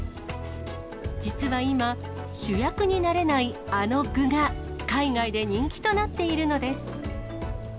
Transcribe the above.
実は今、主役になれないあの具が、海外で人気となっているのです。